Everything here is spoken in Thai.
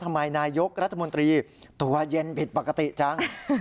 นายกรัฐมนตรีตัวเย็นผิดปกติจัง